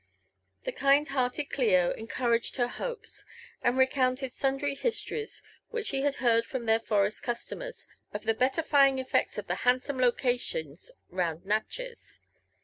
The kind hearted Clio encouraged her hopes, and recounted sundry histories which she had heard from Iheir forest customers, of the bet terfying eflecis of the handsome locations round Nati^hez.